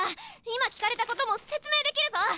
今聞かれたことも説明できるぞ！